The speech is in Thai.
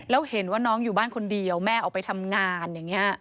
แล้วเห็นว่าน้องอยู่บ้านคนเดียวแม่ออกไปทำงานอย่างนี้